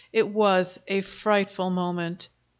It was a frightful moment.